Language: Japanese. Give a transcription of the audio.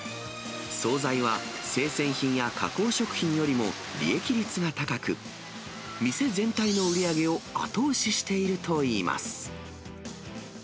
総菜は、生鮮品や加工食品よりも利益率が高く、店全体の売り上げを後押ししているといいます。